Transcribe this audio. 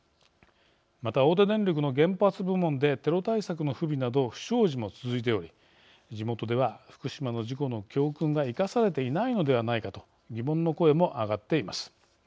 また、大手電力の原発部門でテロ対策の不備など不祥事も続いており地元では福島の事故の教訓が生かされていないのではないかと疑問の声も上がっています。